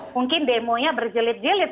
mungkin demonya berjelit jelit